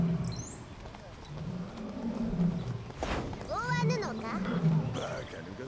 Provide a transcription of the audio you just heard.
追わぬのか？